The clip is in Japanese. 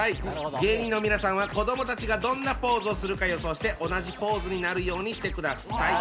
芸人の皆さんは子どもたちがどんなポーズをするか予想して同じポーズになるようにしてください。